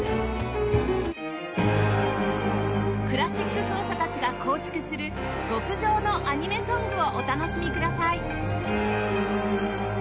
クラシック奏者たちが構築する極上のアニメソングをお楽しみください